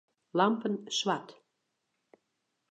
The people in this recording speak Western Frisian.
Lampen swart.